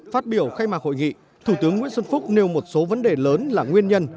phát biểu khai mạc hội nghị thủ tướng nguyễn xuân phúc nêu một số vấn đề lớn là nguyên nhân